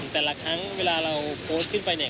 แต่ละครั้งเวลาเราโพสต์ขึ้นไปเนี่ย